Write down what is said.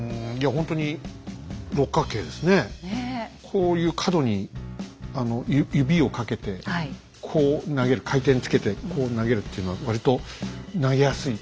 こういう角に指をかけてこう投げる回転つけてこう投げるっていうのは割と投げやすい。